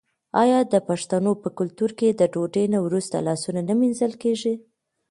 آیا د پښتنو په کلتور کې د ډوډۍ نه وروسته لاسونه نه مینځل کیږي؟